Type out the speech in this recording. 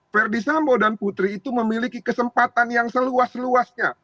ferdisambo dan putri itu memiliki kesempatan yang seluas luasnya